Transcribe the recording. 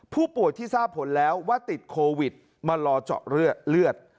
ผู้ป่วยที่ทราบผลแล้วว่าติดโควิดมารอเจาะเลือด